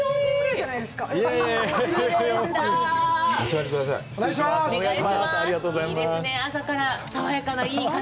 いいですね、朝から、爽やかないい風。